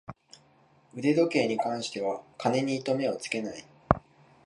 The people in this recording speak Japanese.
腕時計に関しては金に糸目をつけない